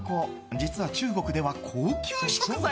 実は中国では高級食材。